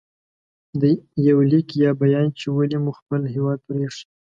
• یو لیک یا بیان چې ولې مو خپل هېواد پرې ایښی